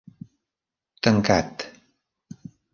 Tancat.